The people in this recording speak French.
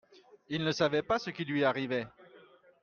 il ne savait pas ce qui lui arrivait.